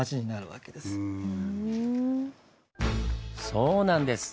そうなんです！